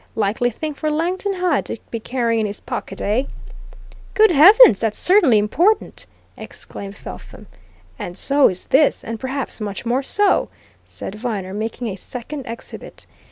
Likely thing for Langton Hyde to be carrying in his pocket, eh?" "Good heavens, that's certainly important!" exclaimed Felpham. "And so is this, and perhaps much more so," said Viner, making a second exhibit.